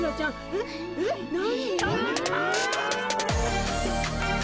えっえっ何？